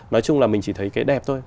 nói chung là mình chỉ thấy cái đẹp thôi